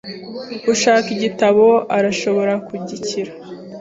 Ushaka igitabo arashobora kukigira.